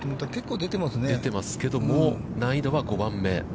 出てますけども、難易度は５番目。